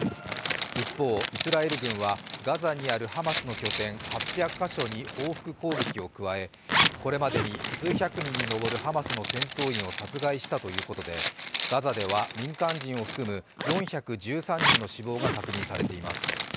一方、イスラエル軍はガザにあるハマスの拠点８００か所に報復攻撃を加え、これまでに数百人に上るハマスの戦闘員を殺害したということで、ガザでは民間人を含む４１３人の死亡が確認されています。